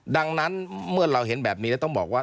ดังนั้นเมื่อเราเห็นแบบนี้แล้วต้องบอกว่า